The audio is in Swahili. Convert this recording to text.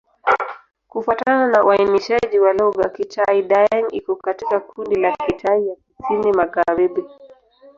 Kufuatana na uainishaji wa lugha, Kitai-Daeng iko katika kundi la Kitai ya Kusini-Magharibi.